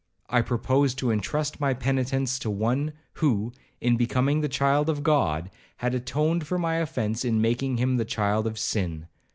I proposed to intrust my penitence to one, who, in becoming the child of God, had atoned for my offence in making him the child of sin.